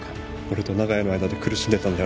俺と長屋の間で苦しんでたんだよな？